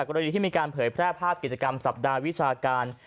กรณีที่มีการเผยแพร่ภาพกิจกรรมสัปดาห์วิชาการ